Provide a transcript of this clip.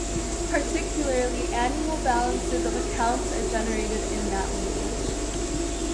Particularly annual balances of accounts are generated in that language.